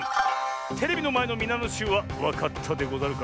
テレビのまえのみなのしゅうはわかったでござるか？